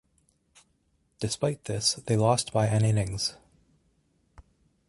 Despite this, they lost by an innings.